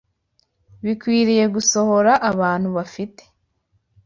bikwiriye gusohora abantu bafite